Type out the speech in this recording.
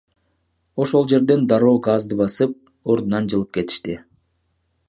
Ошол жерден дароо газды басып, ордунан жылып кетишти.